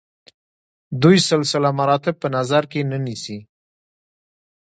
دوی سلسله مراتب په نظر کې نه نیسي.